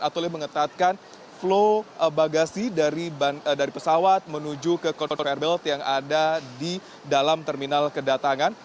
atau lebih mengetatkan flow bagasi dari pesawat menuju ke kontrotor air belt yang ada di dalam terminal kedatangan